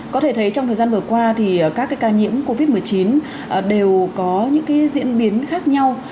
có thể thấy trong thời gian vừa qua thì các ca nhiễm covid một mươi chín đều có những diễn biến khác nhau